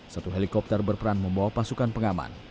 satu helikopter berperan membawa pasukan pengaman